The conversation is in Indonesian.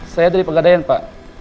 saya dari pegadaian pak